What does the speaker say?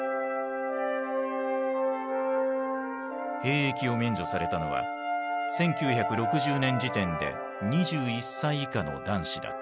兵役を免除されたのは１９６０年時点で２１歳以下の男子だった。